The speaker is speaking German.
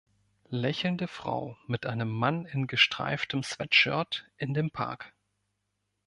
Lächelnde Frau mit einem Mann in gestreiftem Sweatshirt in dem Park.